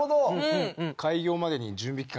開業までに準備期間